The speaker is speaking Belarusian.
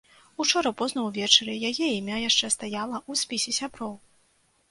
Учора позна ўвечары яе імя яшчэ стаяла ў спісе сяброў.